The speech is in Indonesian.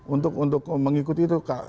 untuk mengikuti itu